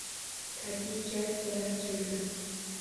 Tabiiy gaz so`rab keldim